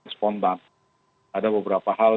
spontan ada beberapa hal